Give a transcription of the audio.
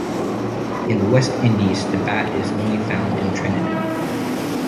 In the West Indies, the bat is only found on Trinidad.